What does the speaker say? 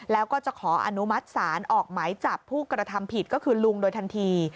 แล้วก็จะขออนุมัติศาลออกหมายจับผู้กระทำผิดก็คือลุงโดยทันที